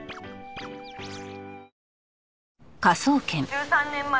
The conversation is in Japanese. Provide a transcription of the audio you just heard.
「１３年前